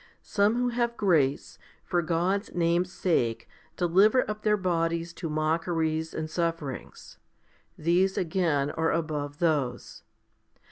Some who have grace, for God's name's sake deliver up their bodies to mockeries and sufferings. These again are above those.